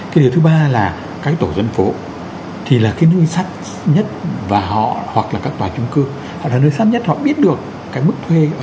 cái điều thứ ba là cái tổ dân phố thì là cái nơi sát nhất và họ hoặc là các tòa trung cư hoặc là nơi sát nhất họ biết được cái mức thuê